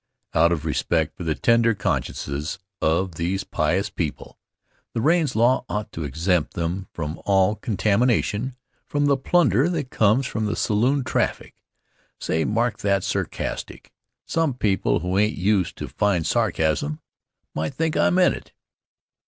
Out of respect for the tender consciences of these pious people, the Raines law ought to exempt them from all contamination from the plunder that comes from the saloon traffic. Say, mark that sarcastic. Some people who ain't used to fine sarcasm might think I meant it.